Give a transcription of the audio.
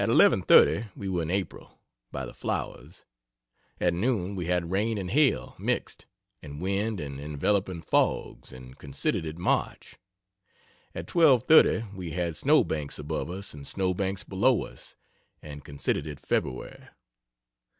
30 we were in April (by the flowers;) at noon we had rain and hail mixed, and wind and enveloping fogs, and considered it March; at 12.30 we had snowbanks above us and snowbanks below us, and considered it February.